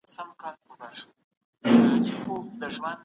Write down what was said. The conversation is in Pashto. نن ورځ دوه ډوله علوم شتون لري.